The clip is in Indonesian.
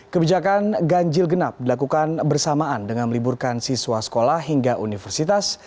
kebijakan ganjil genap dilakukan bersamaan dengan meliburkan siswa sekolah hingga universitas